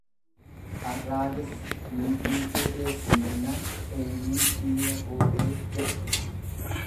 Arraagessa niitiin kee deesse jennaan eenyuun dhiira gootee jedhe.